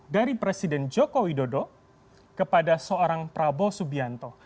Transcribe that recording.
dari presiden jokowi dodo kepada seorang prabowo subianto